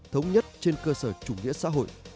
thống nhất trên cơ sở chủ nghĩa xã hội